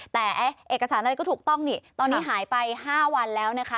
แต่เอกสารอะไรก็ถูกต้องนี่ตอนนี้หายไป๕วันแล้วนะคะ